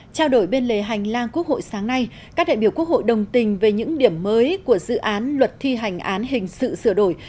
trao đổi bên lề hành lang quốc hội sáng nay các đại biểu quốc hội đồng tình về những điểm mới của dự án luật thi hành án hình sự sửa đổi